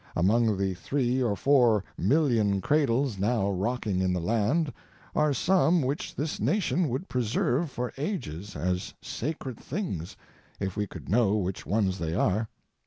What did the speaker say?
Among the three or four million cradles now rocking in the land are some which this nation would preserve for ages as sacred things, if we could know which ones they are.